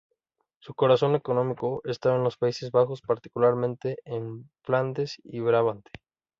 Su corazón económico estaba en los Países Bajos, particularmente en Flandes y Brabante.